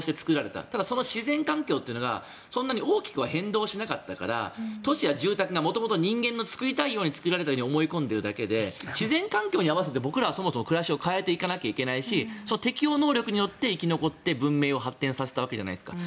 ただ、その自然環境がそんなに大きくは変動しなかったから都市や住宅が元々人間の作りたいように作られたように思い込んでいるだけで自然環境に合わせて僕らはそもそも暮らしを変えていかないといけないし適応能力によって生き残って文明を発展させたわけじゃないですか。